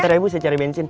ntar ya bu saya cari bensin